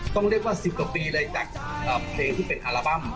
ต้องเรียกว่าสิบกว่าปีเลยแต่เอ่อเพลงที่เป็นอัลบั้ม